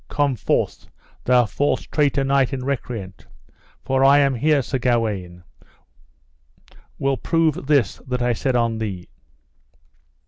Come forth, thou false traitor knight and recreant, for I am here, Sir Gawaine, will prove this that I say on thee.